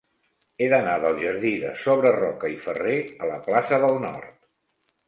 He d'anar del jardí de Sobreroca i Ferrer a la plaça del Nord.